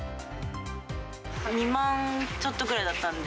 ２万ちょっとぐらいだったんで。